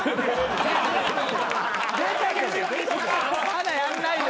まだやんないで。